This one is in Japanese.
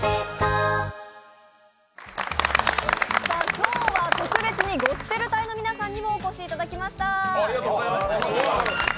今日は特別にゴスペル隊の皆さんにもお越しいただきました。